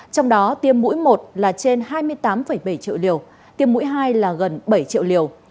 trong đó tiêm mũi một là trên hai mươi tám bảy triệu liều tiêm mũi hai là gần bảy triệu liều